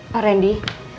pak ren di